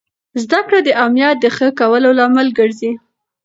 زده کړه د امنیت د ښه کولو لامل ګرځي.